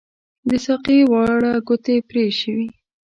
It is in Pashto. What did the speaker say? د ساقۍ واړه ګوتې پري شوي